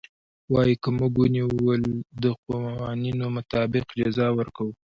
وايي که موږ ونيول د قوانينو مطابق جزا ورکوو.